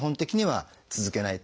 はい。